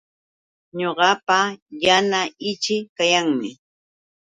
Ñuqapa yana ichii kayanmi